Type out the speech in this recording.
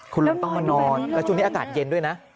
คุณลุงต้องมานอนแล้วช่วงนี้อากาศเย็นด้วยนะ